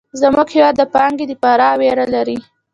زموږ هېواد د پانګې د فرار وېره لري.